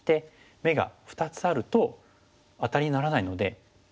眼が２つあるとアタリにならないので打てない。